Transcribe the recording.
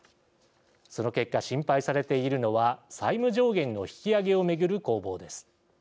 その結果、心配されているのは債務上限の引き上げを巡る攻防です。